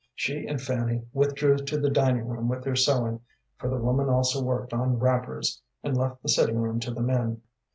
She and Fanny withdrew to the dining room with their sewing for the woman also worked on wrappers and left the sitting room to the men.